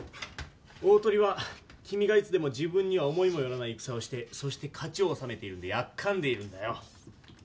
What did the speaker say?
大鳥は君がいつでも自分には思いもよらない戦をしてそして勝ちを収めているのでやっかんでいるんだよ。